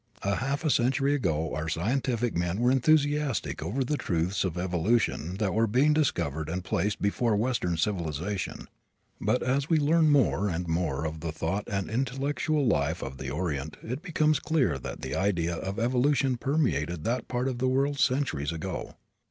A half century ago our scientific men were enthusiastic over the truths of evolution that were being discovered and placed before western civilization. But as we learn more and more of the thought and intellectual life of the Orient it becomes clear that the idea of evolution permeated that part of the world centuries ago.